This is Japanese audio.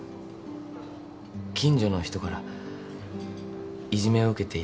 近所の人からいじめを受けていたんです。